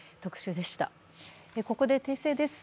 ここで訂正です。